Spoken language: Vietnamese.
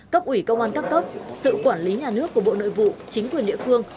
cấp ủy công an các cấp sự quản lý nhà nước của bộ nội vụ chính quyền địa phương